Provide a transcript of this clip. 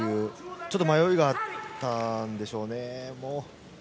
ちょっと迷いがあったんでしょうね。